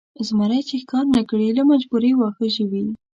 زمری چې ښکار نه کړي له مجبورۍ واښه ژوي.